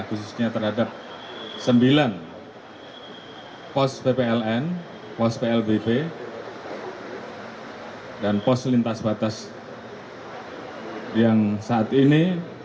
khususnya terhadap sembilan pos ppln pos plbp dan pos lintas batas yang saat ini